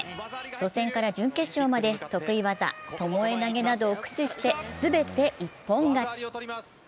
初戦から準決勝まで得意技ともえ投げを駆使してすべて一本勝ち。